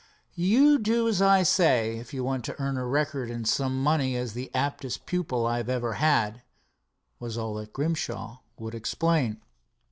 "You do as I say, if you want to earn a record and some money as the aptest pupil I ever had," was all that Grimshaw would explain.